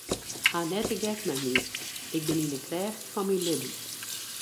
Haw net de gek mei my, ik bin yn de krêft fan myn libben.